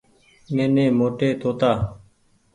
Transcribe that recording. نيني موٽي توتآ ۔